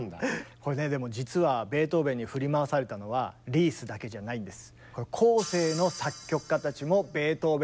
これねでも実はベートーベンに振り回されたのはリースだけじゃないんです。